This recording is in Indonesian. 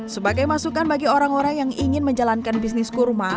sebagai masukan bagi orang orang yang ingin menjalankan bisnis kurma